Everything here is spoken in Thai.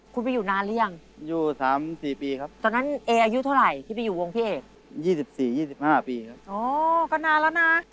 คุณไปอยู่นานหรือยัง